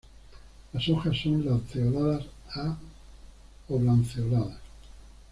Las hojas son lanceoladas a oblanceoladas.